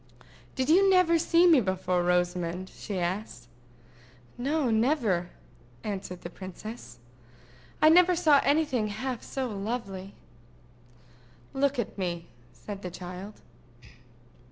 "Did you never see me before, Rosamond?" she asked. "No, never," answered the princess. "I never saw any thing half so lovely." "Look at me," said the child.